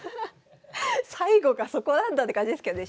最後がそこなんだって感じですけどね。